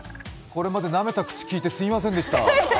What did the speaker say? これまで、なめた口きいてすみませんでした。